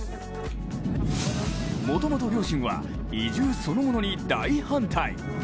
もともと両親は移住そのものに大反対。